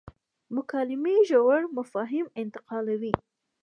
مکالمې ژور مفاهیم انتقالوي.